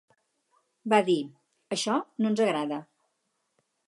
Va dir: Això no ens agrada.